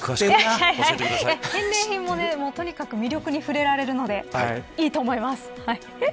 返礼品もとにかく魅力に触れられるのでいいと思います。